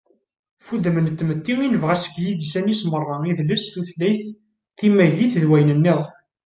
ɣef wudem n tmetti i nebɣa seg yidisan-is meṛṛa: idles, tutlayt, timagit, d wayen-nniḍen